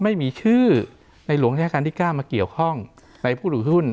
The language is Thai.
ไม่มีชื่อในหลวงราชการที่๙มาเกี่ยวข้องในผู้ถือหุ้น